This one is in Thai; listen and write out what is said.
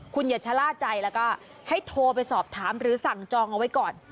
คุณอย่าชะล่าใจแล้วก็ให้โทรไปสอบถามหรือสั่งจองเอาไว้ก่อน